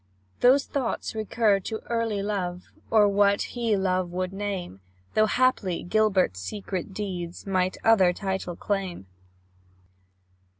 Those thoughts recur to early love, Or what he love would name, Though haply Gilbert's secret deeds Might other title claim.